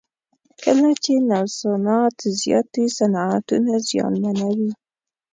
کله چې نوسانات زیات وي صنعتونه زیانمنوي.